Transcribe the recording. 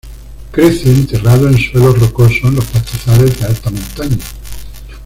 Crece enterrado en suelos rocosos en los pastizales de alta montaña.